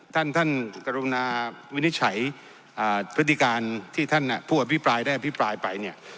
ท่านท่านกรุณาวินิจฉัยพฤติการที่ท่านผู้อภิปรายได้อภิปรายไปเนี่ย